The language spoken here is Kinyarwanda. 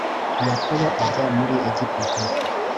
yakobo ajya muri egiputa